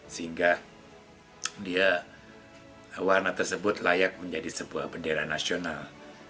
sehingga dia warna tersebut layak menjadi sebuah bendera nasional